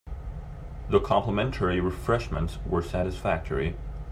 The complimentary refreshments were satisfactory.